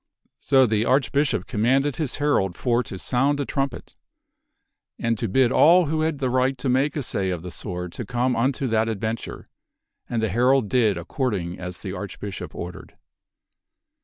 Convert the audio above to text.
So the. Archbishop commanded his herald for to sound a trumpet, and to bid all who had the right to make assay of the sword to come unto that adventure, and the herald did according as the Archbishop or dered.